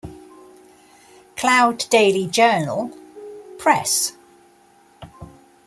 Cloud Daily Journal-Press.